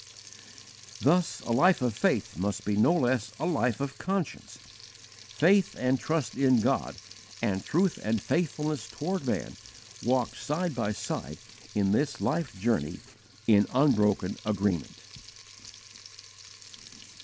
Thus a life of faith must be no less a life of conscience. Faith and trust in God, and truth and faithfulness toward man, walked side by side in this life journey in unbroken agreement.